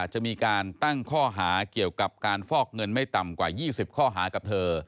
จะมีการตั้งข้อหาเกี่ยวกับการฟอกเงินไม่ต่ำกว่า๒๐ข้อหากับเธอ